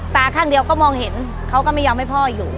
ตาข้างเดียวก็มองเห็นเขาก็ไม่ยอมให้พ่ออยู่